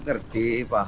lebih dewasa lebih aware